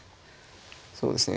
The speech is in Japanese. そうですね